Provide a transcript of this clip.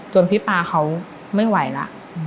จนพี่ปลาเขาไม่ไหวละ